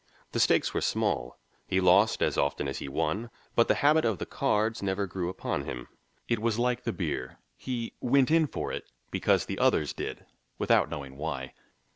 The stakes were small, he lost as often as he won, but the habit of the cards never grew upon him. It was like the beer, he "went in for it" because the others did, without knowing why.